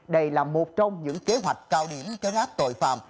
đây là một trong những kế hoạch cao điểm cho ngát tội phạm